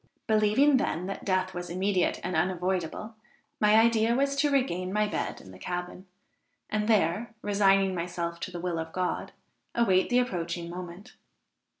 Believing, then, that death was immediate and unavoidable, my idea was to regain my bed in the cabin, and there, resigning myself to the will of God, await the approaching moment.